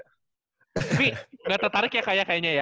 tapi nggak tertarik ya kayaknya ya